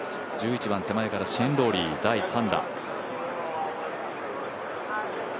１１番、手前からシェーン・ローリー、第３打。